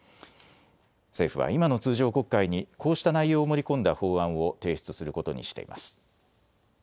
政府は今の通常国会にこうした内容を盛り込んだ法案を提出することにしています。